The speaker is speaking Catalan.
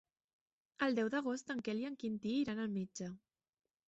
El deu d'agost en Quel i en Quintí iran al metge.